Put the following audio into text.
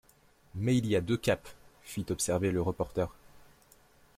Mais il y a deux caps, fit observer le reporter.